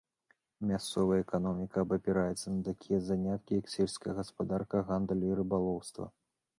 Мясцовая эканоміка абапіраецца на такія заняткі, як сельская гаспадарка, гандаль і рыбалоўства.